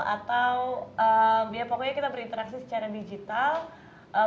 atau ya pokoknya kita berinteraksi secara digital